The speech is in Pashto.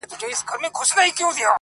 ړانده شاوخوا پر ګرځول لاسونه -